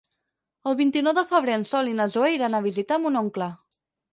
El vint-i-nou de febrer en Sol i na Zoè iran a visitar mon oncle.